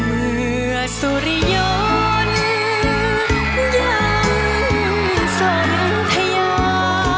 มือสุรยนต์ยังสนทยา